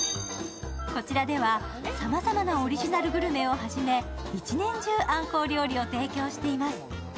こちらではさまざまなオリジナルグルメをはじめ、一年中あんこう料理を提供しています。